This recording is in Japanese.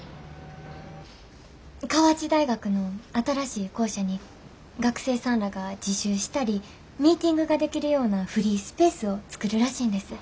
河内大学の新しい校舎に学生さんらが自習したりミーティングができるようなフリースペースを作るらしいんです。